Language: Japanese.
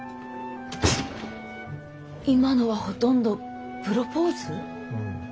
今のはほとんどプロポーズ？